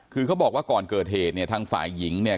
คือเขาบอกว่าก่อนเกิดเหตุเนี่ยทางฝ่ายหญิงเนี่ย